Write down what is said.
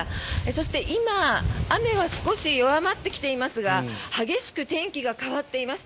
そして今、雨は少し弱まってきていますが激しく天気が変わってきます。